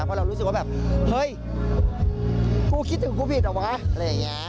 เพราะเรารู้สึกว่าเฮ้ยกูคิดถึงกูผิดเหรอวะ